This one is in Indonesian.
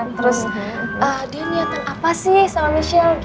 terus dia niatan apa sih sama michelle